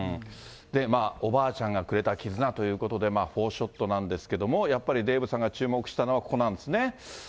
おばあちゃんがくれた絆ということで、４ショットですけれども、やっぱりデーブさんが注目したのは、ここなんですね。